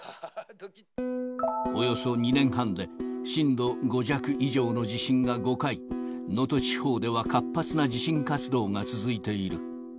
およそ２年半で、震度５弱以上の地震が５回、能登地方では活発な地震活動が続いている。